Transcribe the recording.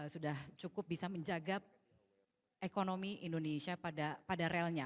sudah cukup bisa menjaga ekonomi indonesia pada relnya